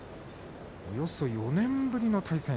およそ４年ぶりの対戦。